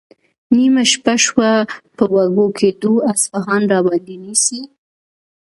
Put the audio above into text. نیمه شپه شوه، په وږو ګېډو اصفهان راباندې نیسي؟